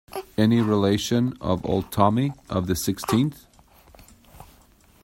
Any relation of old Tommy of the Sixtieth?